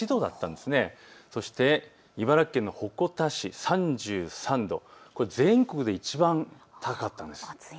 そして茨城県の鉾田市３３度、全国でいちばん高かったんです。